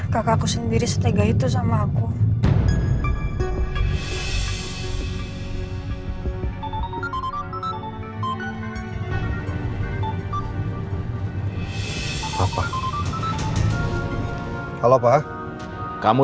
kakakku sendiri setega itu sama aku